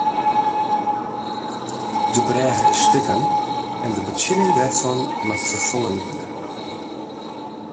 De brêge is stikken en de betsjinning dêrfan moat ferfongen wurde.